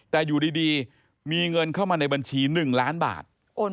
แต่อยู่ดีมีเงินเข้ามาในบัญชี๑ล้านบาท